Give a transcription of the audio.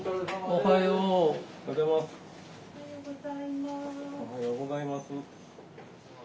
おはようございます。